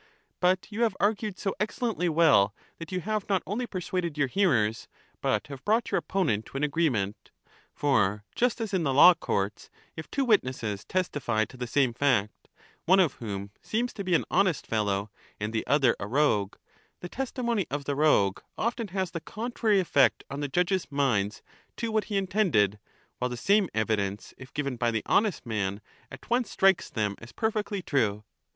But you have argued so excellently well that you have not only persuaded your hearers, but have brought your opponent to an agree ment. For just as in the law courts, if two witnesses testify to the same fact, one of whom seems to be an honest fellow and the other a rogue, the testimony of the rogue often has the contrary effect on the judges' minds to what he intended, while the same evidence if given by the honest man at once strikes them as perfectly true.